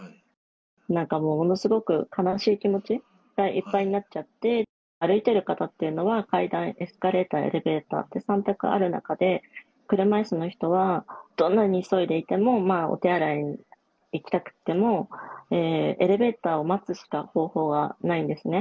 なんかもう、ものすごく悲しい気持ちがいっぱいになっちゃって、歩いてる方っていうのは、階段、エスカレーター、エレベーターって三択ある中で、車いすの人はどんなに急いでいても、お手洗いに行きたくても、エレベーターを待つしか方法がないんですね。